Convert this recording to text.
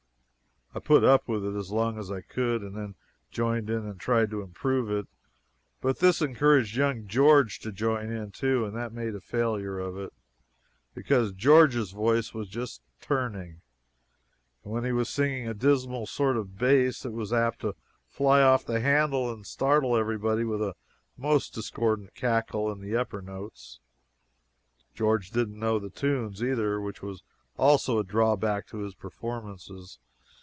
I put up with it as long as I could and then joined in and tried to improve it, but this encouraged young George to join in too, and that made a failure of it; because George's voice was just "turning," and when he was singing a dismal sort of bass it was apt to fly off the handle and startle everybody with a most discordant cackle on the upper notes. George didn't know the tunes, either, which was also a drawback to his performances.